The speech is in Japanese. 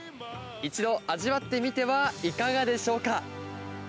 一度味わってみてはいかがでしょ